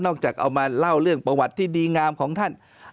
จากเอามาเล่าเรื่องประวัติที่ดีงามของท่าน